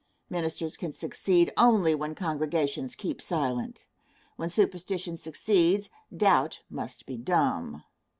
Ministers can succeed only when congregations keep silent. When superstition succeeds, doubt must be dumb.